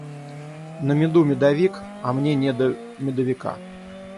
На меду медовик, а мне не до медовика.